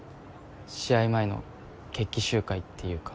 試合前の決起集会っていうか。